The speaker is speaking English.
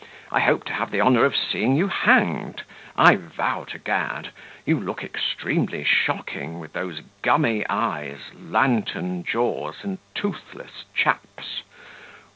I hope to have the honour of seeing you hanged. I vow to Gad! you look extremely shocking, with these gummy eyes, lanthorn jaws, and toothless chaps.